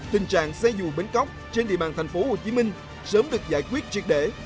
tình trạng xây dù bến cóc trên địa bàn thành phố hồ chí minh sớm được giải quyết triệt để